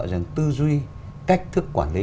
rằng tư duy cách thức quản lý